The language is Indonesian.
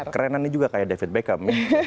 kerenannya juga kayak david beckham